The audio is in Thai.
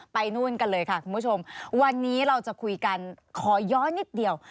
นู่นกันเลยค่ะคุณผู้ชมวันนี้เราจะคุยกันขอย้อนนิดเดียว